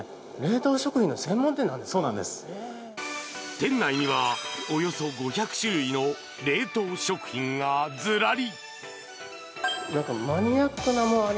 店内には、およそ５００種類の冷凍食品がずらり。